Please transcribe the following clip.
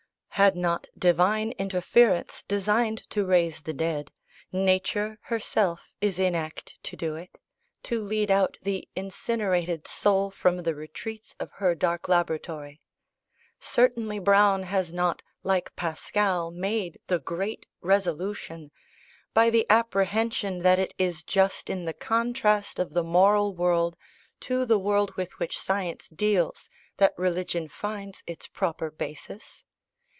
Had not Divine interference designed to raise the dead, nature herself is in act to do it to lead out the "incinerated soul" from the retreats of her dark laboratory. Certainly Browne has not, like Pascal, made the "great resolution," by the apprehension that it is just in the contrast of the moral world to the world with which science deals that religion finds its proper basis.